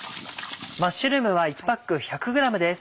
マッシュルームは１パック１００ｇです。